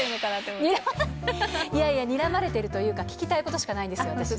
いやいやにらまれてるというか、聞きたいことしかないんですよ。